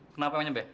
kenapa emangnya be